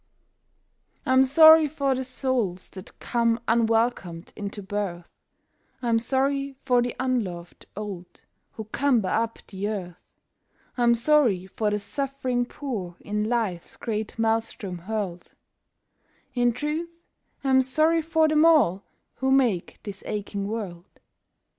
I'm sorry for the souls that come unwelcomed into birth, I'm sorry for the unloved old who cumber up the earth, I'm sorry for the suffering poor in life's great maelstrom hurled— In truth, I'm sorry for them all who make this aching world.